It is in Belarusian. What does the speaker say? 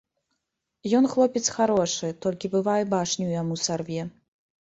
Ён хлопец харошы, толькі бывае, башню яму сарве.